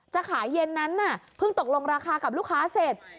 จะขายเย็นนั้นน่ะเพิ่งตกลงราคากับลูกค้าเสร็จ